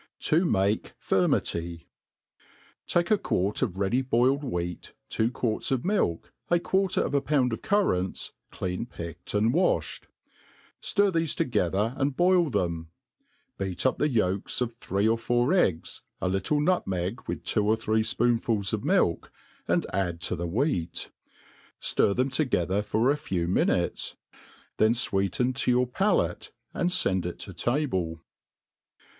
7i rAah Firmity. TAKE a quart of ready^boiled wheat, two quarts 6f ipilk, a quarter of a pound of currants clean picked and wafbed : flir thefe together and boil them ; beat up the yolks, of three or four eggs, a little nutmeg, with two or three fpoonfuls of milk, and add to the wheat ; flir them together for a few minutes. Then (Weeten to your palate, and fend it to ta1)le.